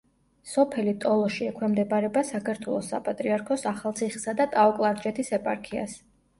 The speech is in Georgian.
სოფელი ტოლოში ექვემდებარება საქართველოს საპატრიარქოს ახალციხისა და ტაო-კლარჯეთის ეპარქიას.